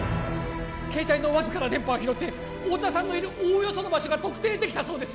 携帯のわずかな電波を拾って太田さんのいるおおよその場所が特定できたそうです